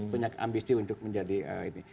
punya ambisi untuk menjadi ini